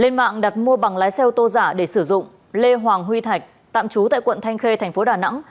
lên mạng đặt mua bằng lái xe ô tô giả để sử dụng lê hoàng huy thạch tạm trú tại quận thanh khê thành phố đà nẵng